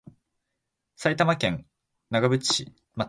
埼玉県長瀞町